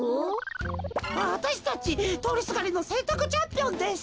わたしたちとおりすがりのせんたくチャンピオンです。